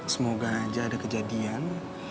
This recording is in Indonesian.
semoga aja ada kejadian